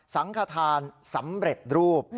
สังขทานสำเร็จรูป